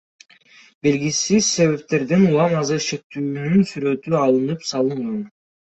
Белгисиз себептерден улам азыр шектүүнүн сүрөтү алынып салынган.